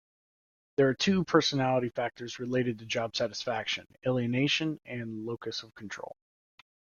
There are two personality factors related to job satisfaction, alienation and locus of control.